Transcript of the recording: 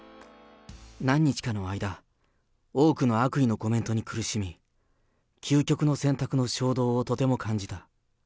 何日かの間、多くの悪意のコメントに苦しみ、究極の選択の衝動をとても感じた。